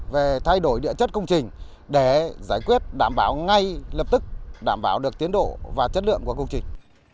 về thay đổi địa chất công trình để giải quyết đảm bảo ngay lập tức đảm bảo được tiến độ và chất lượng của công trình